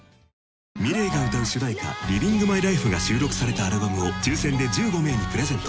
ｍｉｌｅｔが歌う主題歌「ＬｉｖｉｎｇＭｙＬｉｆｅ」が収録されたアルバムを抽選で１５名にプレゼント。